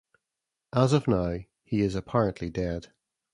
As of now, he is apparently dead.